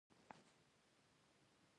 تواب ور وکتل، مور يې بکس ورته نيولی و.